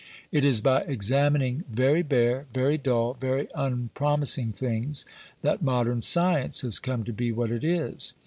It is by examining very bare, very dull, very unpromising things, that modern science has come to be what it is.